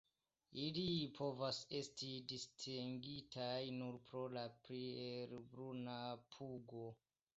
Ili povas esti distingitaj nur pro la pli helbruna pugo.